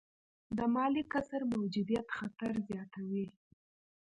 د مالي کسر موجودیت خطر زیاتوي.